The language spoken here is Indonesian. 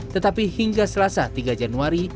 tetapi hingga selasa tiga januari